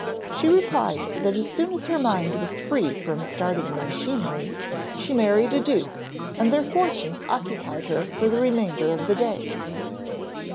She replied that as soon as her mind was free from starting the machinery, she married a duke, and their fortunes occupied her for the remainder of the day.